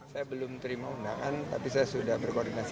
saya belum terima undangan tapi saya sudah berkoordinasi